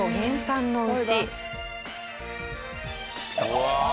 うわ！